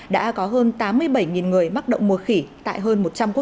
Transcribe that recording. đã có hơn tám mươi bảy người mắc đậu mùa khỉ tại hơn một trăm linh quốc gia trên thế giới